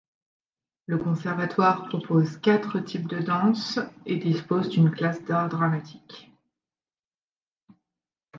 Le conservatoire propose quatre types de danse et dispose d'une classe d'art dramatique.